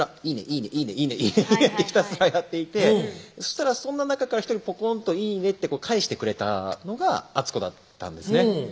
「いいね」ってひたすらやっていてそしたらそんな中から１人ぽこんと「いいね」って返してくれたのが敦子だったんですね